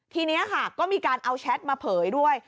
ทีนี้ค่ะก็มีการเอาแชทมาเผยด้วย